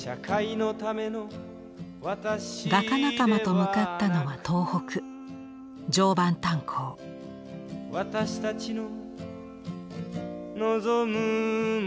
画家仲間と向かったのは東北「私たちの望むものは」